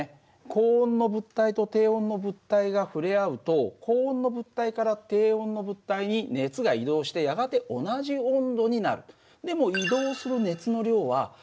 高温の物体と低温の物体が触れ合うと高温の物体から低音の物体に熱が移動してやがて同じ温度になる。